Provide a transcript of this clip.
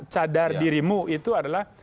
cadar dirimu itu adalah